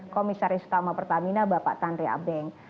komisaris utama pertamina bapak tanri abeng